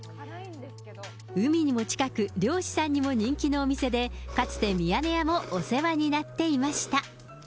海にも近く、漁師さんにも人気のお店で、かつてミヤネ屋もお世話になっていました。